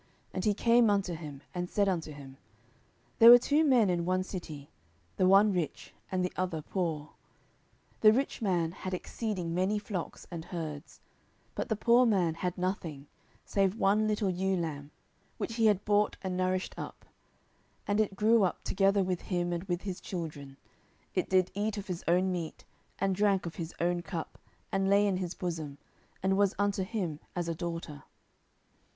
And he came unto him, and said unto him, There were two men in one city; the one rich, and the other poor. 10:012:002 The rich man had exceeding many flocks and herds: 10:012:003 But the poor man had nothing, save one little ewe lamb, which he had bought and nourished up: and it grew up together with him, and with his children; it did eat of his own meat, and drank of his own cup, and lay in his bosom, and was unto him as a daughter.